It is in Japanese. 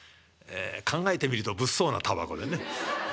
考えてみると物騒なタバコでね。